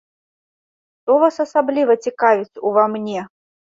Што вас асабліва цікавіць ува мне?